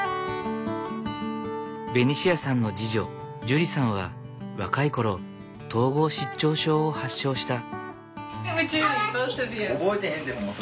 ベニシアさんの次女ジュリさんは若い頃統合失調症を発症した。